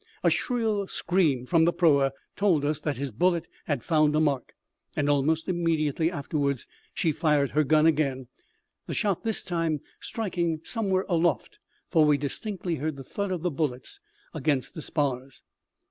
A shrill scream from the proa told us that his bullet had found a mark, and almost immediately afterwards she fired her gun again, the shot this time striking somewhere aloft, for we distinctly heard the thud of the bullets against the spars.